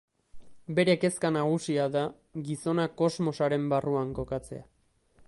Bere kezka nagusia da gizona kosmosaren barruan kokatzea.